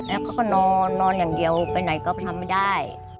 เขาก็นอนนอนอย่างเดียวไปไหนก็ทำไม่ได้